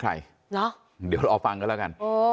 การสอบส่วนแล้วนะ